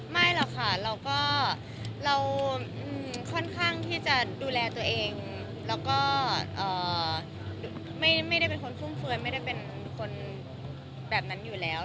ไม่หรอกค่ะเราก็เราค่อนข้างที่จะดูแลตัวเองแล้วก็ไม่ได้เป็นคนฟุ่มเฟือยไม่ได้เป็นคนแบบนั้นอยู่แล้ว